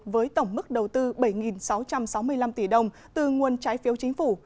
với tổng mức đầu tư bảy sáu trăm sáu mươi năm tỷ đồng từ nguồn trái phiếu chính phủ